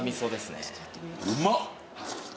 うまっ！